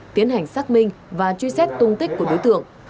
tiến hành xác minh và truy xét tung tích của đối tượng